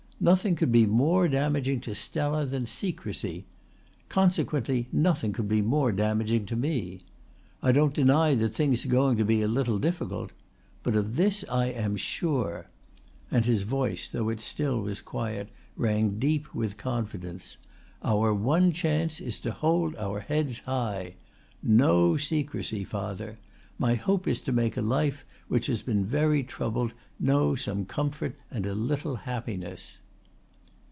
Nothing could be more damaging to Stella than secrecy. Consequently nothing could be more damaging to me. I don't deny that things are going to be a little difficult. But of this I am sure" and his voice, though it still was quiet, rang deep with confidence "our one chance is to hold our heads high. No secrecy, father! My hope is to make a life which has been very troubled know some comfort and a little happiness."